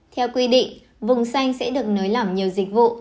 theo quy định vùng xanh sẽ được nới lỏng nhiều dịch vụ